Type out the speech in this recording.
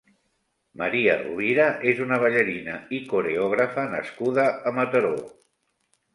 Maria Rovira és una ballarina i coreògrafa nascuda a Mataró.